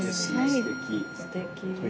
すてき。